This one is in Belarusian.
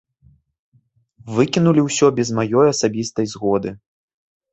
Выкінулі ўсё без маёй асабістай згоды.